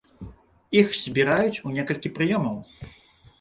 Іх збіраюць у некалькі прыёмаў.